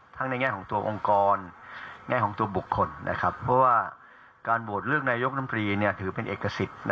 แต่เราก็ปรารถนาจากทุกภักดิ์ทุกส่วน